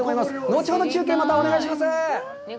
後ほど中継、またお願いします。